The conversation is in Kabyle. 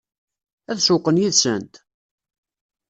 Ad sewweqen yid-sent?